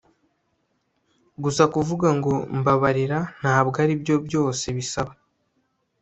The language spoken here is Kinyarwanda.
gusa kuvuga ngo mbabarira ntabwo aribyo byose bisaba